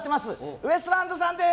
ウエストランドさんです！